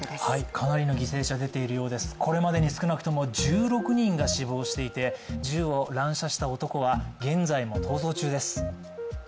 かなりの犠牲者が出ているようです、これまでに少なくとも１６人が死亡していて、銃を乱射した男は現在も逃走中です。